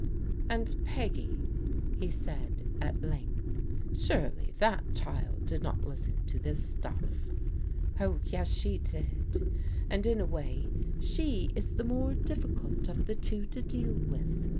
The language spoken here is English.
" And Peggy," he said at length, " surely that child did not listen to this stuff? "" Oh, yes, she did. And in a way she is the more diffi cult of the two to deal with.